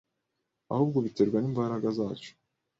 ahubwo biterwa nimbaraga zacu.